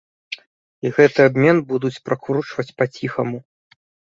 І гэты абмен будуць пракручваць па ціхаму.